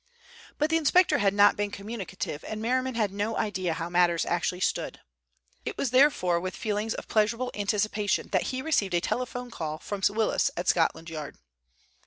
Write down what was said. But the inspector had not been communicative, and Merriman had no idea how matters actually stood. It was therefore with feelings of pleasurable anticipation that he received a telephone call from Willis at Scotland Yard.